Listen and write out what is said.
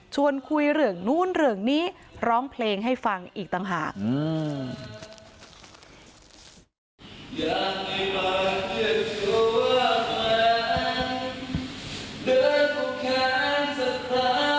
คุยเรื่องนู้นเรื่องนี้ร้องเพลงให้ฟังอีกต่างหาก